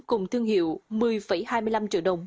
cùng thương hiệu một mươi hai mươi năm triệu đồng